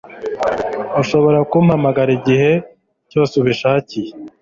Ushobora kumpamagara igihe cyose ubishakiye.